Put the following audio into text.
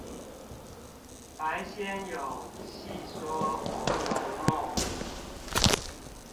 白先勇細說紅樓夢